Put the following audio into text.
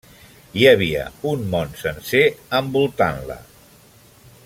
Hi havia un món sencer envoltant-la.